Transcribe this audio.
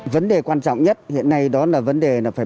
vấn đề quan trọng nhất hiện nay đó là vấn đề quan trọng nhất